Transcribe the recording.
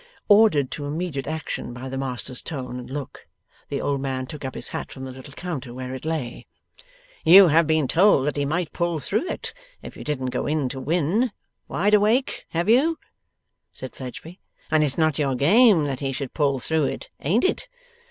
Ordered to immediate action by the master's tone and look, the old man took up his hat from the little counter where it lay. 'You have been told that he might pull through it, if you didn't go in to win, Wide Awake; have you?' said Fledgeby. 'And it's not your game that he should pull through it; ain't it?